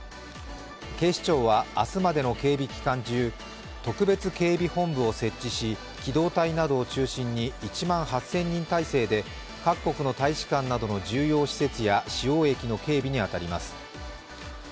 警視庁は明日までの警備期間中特別警備本部を設置し機動隊などを中心に１万８０００人態勢で各国の大使館などの重要施設や主要駅の警備に当たります。